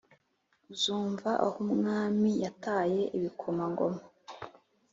uzumva ahumwami yataye ibikomangoma